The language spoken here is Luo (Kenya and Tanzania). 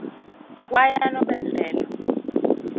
Wayano be lelo